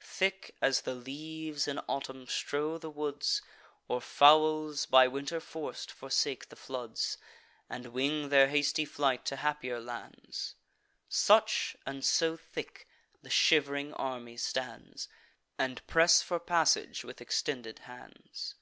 Thick as the leaves in autumn strow the woods, Or fowls, by winter forc'd, forsake the floods, And wing their hasty flight to happier lands; Such, and so thick, the shiv'ring army stands, And press for passage with extended hands.